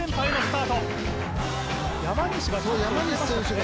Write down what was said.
山西選手が。